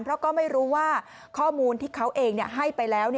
เพราะก็ไม่รู้ว่าข้อมูลที่เขาเองให้ไปแล้ว